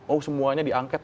oh semuanya diangket